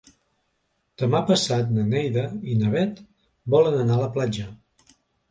Demà passat na Neida i na Bet volen anar a la platja.